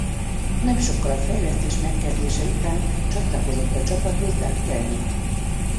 Nem sokkal a fejlesztés megkezdése után csatlakozott a csapathoz Doug Kelly.